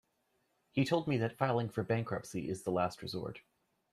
He told me that filing for bankruptcy is the last resort.